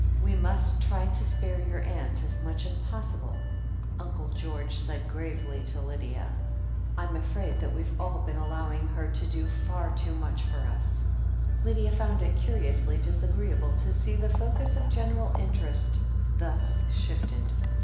"We must try and spare your aunt as much as pos sible," Uncle George said gravely to Lydia. "I'm afraid that we've all been allowing her to do far too much for us." Lydia found it curiously disagreeable to see the focus of general interest thus shifted.